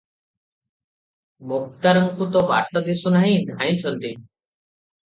ମୁକ୍ତାରଙ୍କୁ ତ ବାଟ ଦିଶୁ ନାହିଁ, ଧାଇଁଛନ୍ତି ।